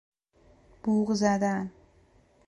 بوق زدن